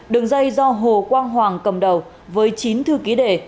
đường dây do hồ quang hoàng cầm đầu với chín thư ký đề